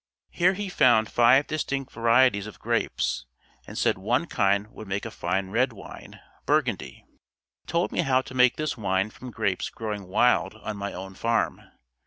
Here he found five distinct varieties of grapes and said one kind would make a fine red wine Burgundy. He told me how to make this wine from grapes growing wild on my own farm.